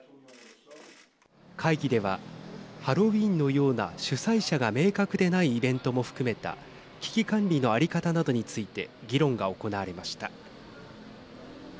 会議では、ハロウィーンのような主催者が明確でないイベントも含めた危機管理の在り方などについて議論が行われました。